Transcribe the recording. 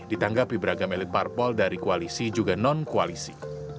ditanggapi beragam elit parpol dari koalisi juga non koalisi